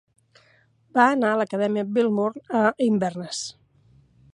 Va anar a l'Acadèmia Millburn a Inverness.